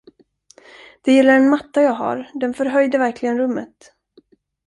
Det gäller en matta jag har, den förhöjde verkligen rummet.